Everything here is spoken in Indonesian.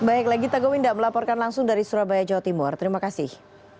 baik lagi tagowinda melaporkan langsung dari surabaya jawa timur terima kasih